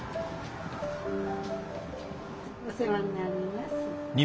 お世話になります。